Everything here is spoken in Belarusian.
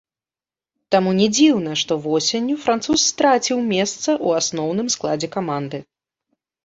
Таму не дзіўна, што восенню француз страціў месца ў асноўным складзе каманды.